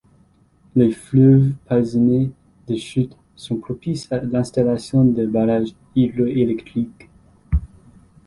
Les fleuves parsemés de chutes sont propices à l'installation de barrages hydro-électriques.